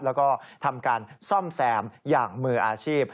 แล้วก็ทำการซ่อมแซมอย่างมืออาชีพ